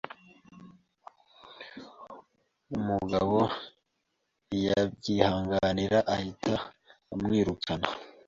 umugabo ntiyabyihanganira ahita amwirukana